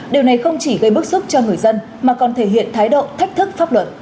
điều này không chỉ gây bức xúc cho người dân mà còn thể hiện thái độ thách thức pháp luật